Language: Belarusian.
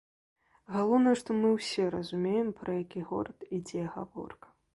Галоўнае, што мы ўсе разумеем, пра які горад ідзе гаворка.